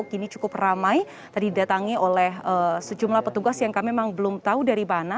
kini cukup ramai tadi didatangi oleh sejumlah petugas yang kami memang belum tahu dari mana